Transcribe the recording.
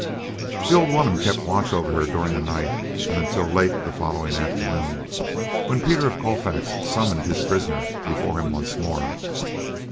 The old woman kept watch over her during the night and until late the following afternoon, when Peter of Colfax summoned his prisoner before him once more.